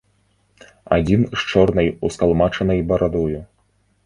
Адзін з чорнай ускалмачанай барадою.